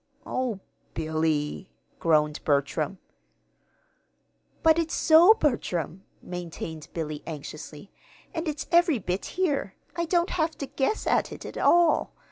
"Oh, Billy!" groaned Bertram. "But it's so, Bertram," maintained Billy, anxiously. "And it's every bit here. I don't have to guess at it at all.